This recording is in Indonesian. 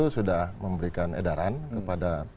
sudah memberikan edaran kepada